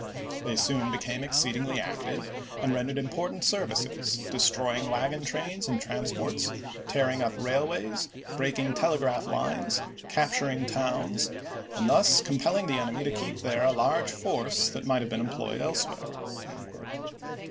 They soon be came exceedingly active, and rendered important services, destroying wagon trains and transports, tearing up railways, breaking telegraph lines, cap ^^^^^> turing towns, and thus compelling the enemy to i863!"w\. keep there a large force that might have been em ^"p.fa"^" ployed elsewhere."